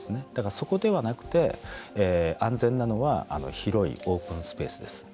そこではなくて、安全なのは広いオープンスペースです。